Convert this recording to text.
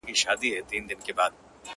ما يې پء چينه باندې يو ساعت تېر کړی نه دی